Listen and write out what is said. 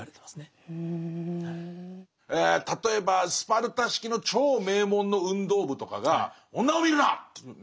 例えばスパルタ式の超名門の運動部とかが「女を見るな！」というね。